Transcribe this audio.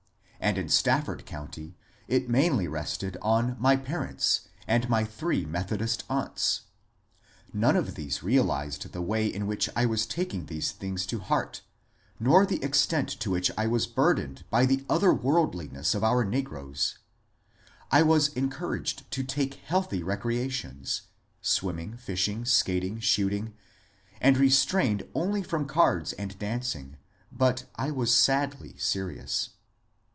And in Staf ford County it mainly rested on my parents and my three Methodist aunts. None of these realized the way in which I 26 MONCURE DANIEL CONWAY was taking these things to heart nor the extent to which I was burdened by the otherworldliness of our negroes. I was encouraged to take healthy recreations, — swimming, fishing, skating, shooting, — and restrained only from cards and dan cing ; but I was sadly serious.